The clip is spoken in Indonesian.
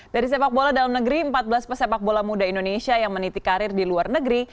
dari sepak bola dalam negeri empat belas pesepak bola muda indonesia yang menitik karir di luar negeri